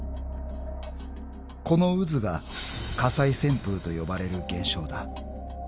［この渦が火災旋風と呼ばれる現象だ］